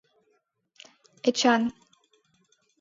Эчан.